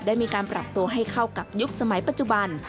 ได้มีการปรับตัวให้เข้ากับยุคสมัยปัจจุบัน